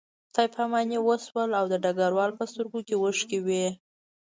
خدای پاماني وشوه او د ډګروال په سترګو کې اوښکې وې